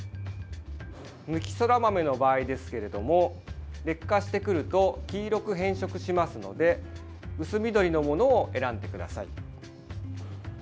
むきそら豆の場合ですけれど劣化してくると黄色く変色しますので薄緑のものを選んでください。